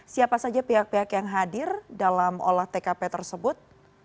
siapa saja pihak pihak yang hadir dalam olah tkp tersebut